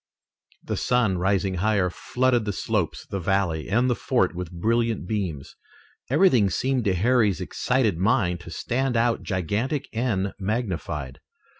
The sun, rising higher, flooded the slopes, the valley, and the fort with brilliant beams. Everything seemed to Harry's excited mind to stand out gigantic and magnified.